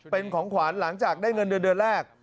เป็นของขวัญหลังจากได้เงินเดือนแรก